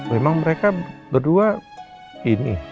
memang mereka berdua ini